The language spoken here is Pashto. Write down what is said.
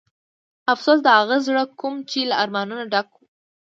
افسوس د هغه زړه کوم چې له ارمانونو ډک و.